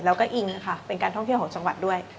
แล้วก็อิงค่ะเป็นการท่องเที่ยวของจังหวัดด้วย